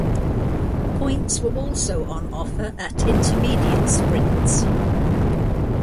Points were also on offer at intermediate sprints.